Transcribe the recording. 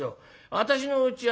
私のうちはね